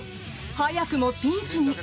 早くもピンチに？